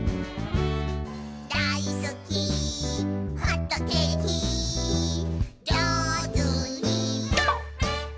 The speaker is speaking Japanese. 「だいすきホットケーキ」「じょうずにはんぶんこ！」